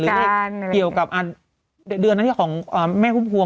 หรือเลขเกี่ยวกับเดือนหน้าที่ของแม่คุ้มควง